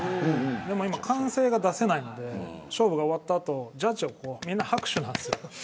でも今、歓声が出せないので勝負終わった後ジャッジは拍手なんです。